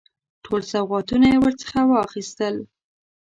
ټول سوغاتونه یې ورڅخه واخیستل.